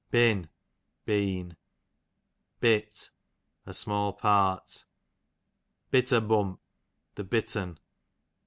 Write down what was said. Bin, been. Bit, a small part. Bitter bump, the bittern.